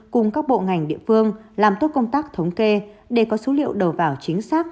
cùng các bộ ngành địa phương làm tốt công tác thống kê để có số liệu đầu vào chính xác